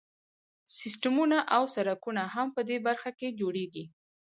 سیسټمونه او سرکټونه هم په دې برخه کې جوړیږي.